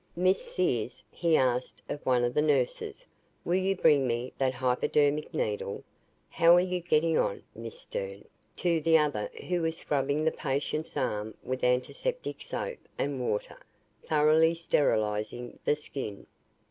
"Miss Sears," he asked of one of the nurses, "will you bring me that hypodermic needle? How are you getting on, Miss Stern?" to the other who was scrubbing the patient's arm with antiseptic soap and water, thoroughly sterilizing the skin.